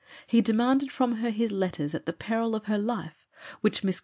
He demanded from her his letters at the peril of her life, which Miss G.